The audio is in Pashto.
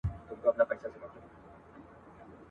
په لړمانو په مارانو کي به شپې تېروي ..